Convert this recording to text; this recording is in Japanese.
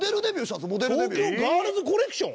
東京ガールズコレクション！？